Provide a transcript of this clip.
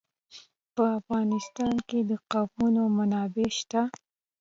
په افغانستان کې د قومونه منابع شته.